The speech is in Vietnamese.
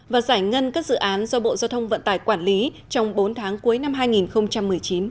và giải ngân các dự án do bộ giao thông vận tải quản lý trong bốn tháng cuối năm hai nghìn một mươi chín